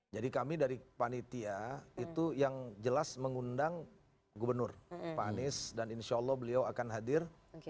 jadi kami dari panitia itu yang jelas mengundang gubernur pak anies dan insya allah beliau akan hadir